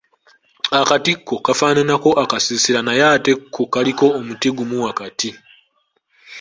Akatiko kafaananako akasiisira naye ate ko kaliko omuti gumu wakati.